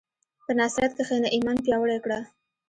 په نصرت کښېنه، ایمان پیاوړی کړه.